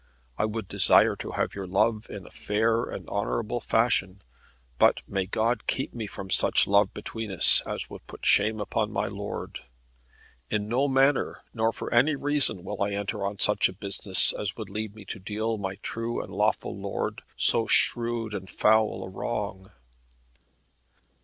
I would desire to have your love in a fair and honourable fashion; but may God keep me from such love between us, as would put shame upon my lord. In no manner, nor for any reason, will I enter on such a business as would lead me to deal my true and lawful lord so shrewd and foul a wrong."